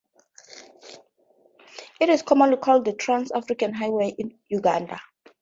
It is commonly called the 'Trans-Africa Highway' in Uganda.